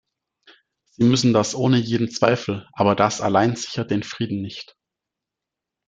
Sie müssen das ohne jeden Zweifel, aber das allein sichert den Frieden nicht.